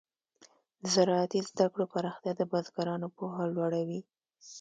د زراعتي زده کړو پراختیا د بزګرانو پوهه لوړه وي.